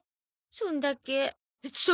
そんだけ！？